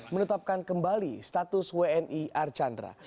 menetapkan kembali status wni archandra